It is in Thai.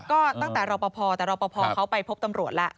ก็ตั้งแต่รอปภแต่รอปภเขาไปพบตำรวจแล้ว